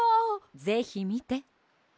ぜひみて。